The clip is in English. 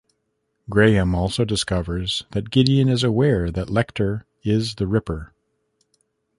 Graham also discovers that Gideon is aware that Lecter is the Ripper.